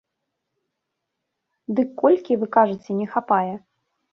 Дык колькі, вы кажаце, не хапае?